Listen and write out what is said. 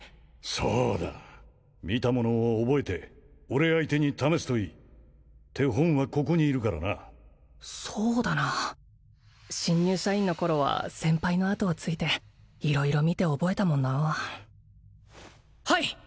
そうだ見たものを覚えて俺相手に試すといい手本はここにいるからなそうだな新入社員の頃は先輩のあとをついて色々見て覚えたもんなはい！